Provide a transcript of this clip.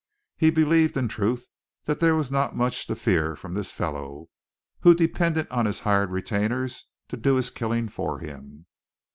He believed, in truth, there was not much to fear from this fellow, who depended on his hired retainers to do his killing for him.